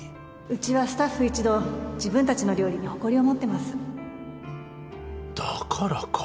うちはスタッフ一同自分たちの料理に誇りを持ってますだからか。